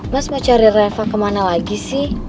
mas mau cari reva kemana lagi sih